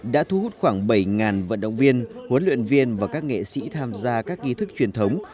đã thu hút khoảng bảy vận động viên huấn luyện viên và các nghệ sĩ tham gia các nghi thức truyền thống